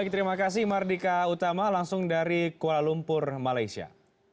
terima kasih mardika utama langsung dari kuala lumpur malaysia